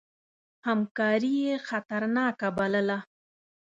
همکاري یې خطرناکه بلله.